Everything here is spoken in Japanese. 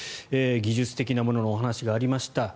技術的なもののお話がありました。